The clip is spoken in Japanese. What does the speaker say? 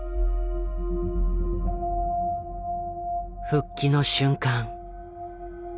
復帰の瞬間。